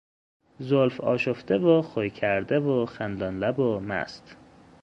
زلفآشفته و خویکرده و خندانلب و مست